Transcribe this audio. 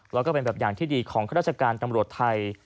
แล้วก็เป็นแบบอย่างที่ดีของข้าราชการตำรวจไทย